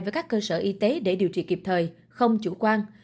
với các cơ sở y tế để điều trị kịp thời không chủ quan